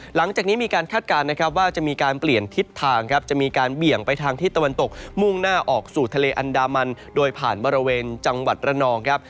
หลังจากนี้มีการคาดการณ์นะครับว่าจะมีการเปลี่ยนทิศทางครับจะมีการเบี่ยงไปทางทิศตะวันตกมุ่งหน้าออกสู่ทะเลอันดามันโดยผ่านบริเวณจังหวัดระนองครับ